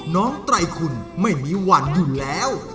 ไตรคุณไม่มีวันอยู่แล้ว